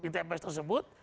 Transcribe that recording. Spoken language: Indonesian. di tpps tersebut